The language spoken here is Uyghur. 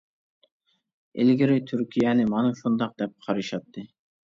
ئىلگىرى تۈركىيەنى مانا شۇنداق دەپ قارىشاتتى.